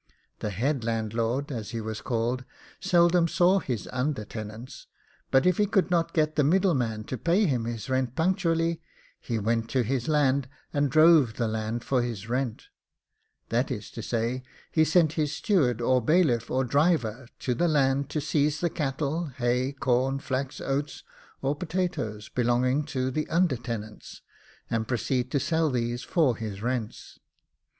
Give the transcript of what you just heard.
The HEAD LANDLORD, as he was called, seldom saw his UNDER TENANTS; but if he could not get the MIDDLEMAN to pay him his rent punctually, he WENT TO HIS LAND, AND DROVE THE LAND FOR HIS RENT; that is to say, he sent his steward, or bailiff, or driver, to the land to seize the cattle, hay, corn, flax, oats, or potatoes, belonging to the under tenants, and proceeded to sell these for his rents.